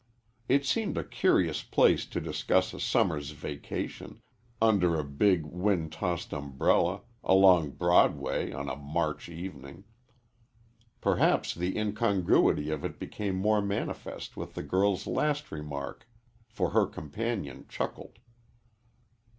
It seemed a curious place to discuss a summer's vacation under a big wind tossed umbrella, along Broadway on a March evening. Perhaps the incongruity of it became more manifest with the girl's last remark, for her companion chuckled.